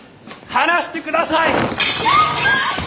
放してください！